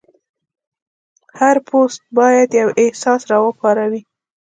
هر پوسټ باید یو احساس راوپاروي.